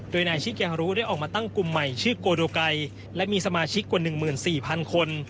โดยนายชิเกฮารุได้ออกมาตั้งกลุ่มใหม่ชื่อโกโดไกดีและมีสมาชิกกว่าหนึ่งหมื่นสี่พันคน